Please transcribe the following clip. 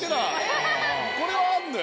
これはあんのよ。